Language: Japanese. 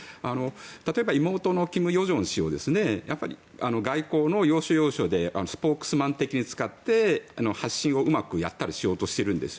例えば妹の金与正氏を外交の要所要所でスポークスマン的に使って発信をうまくやったりしようとしているんです。